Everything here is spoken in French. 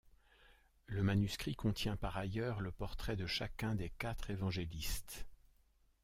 Le manuscrit contient par ailleurs le portrait de chacun des quatre évangélistes.